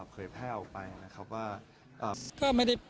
เคยแพร่ออกไปนะครับว่า